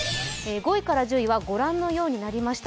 ５位から１０位はご覧のようになりました。